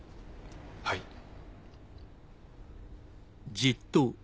はい。